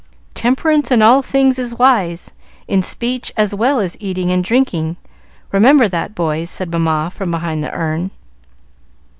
"Temperance in all things is wise, in speech as well as eating and drinking remember that, boys," said Mamma from behind the urn.